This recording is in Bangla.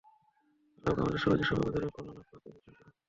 আল্লাহ পাক আমাদের সবাইকে শবে কদরের কল্যাণ লাভ করার তাওফিক দান করুন।